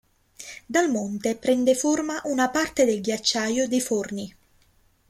Dal monte prende forma una parte del ghiacciaio dei Forni.